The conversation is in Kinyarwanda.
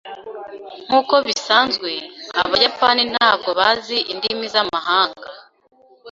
Nkuko bisanzwe, abayapani ntabwo bazi indimi zamahanga.